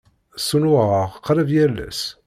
Ssunuɣeɣ qrib yal ass.